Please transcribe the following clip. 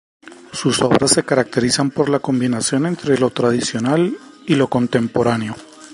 Sus obras se caracterizan por la combinación entre lo tradicional y lo contemporáneo.